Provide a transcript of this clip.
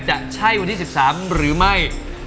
จะใช่วันที่๑๓หรือไม่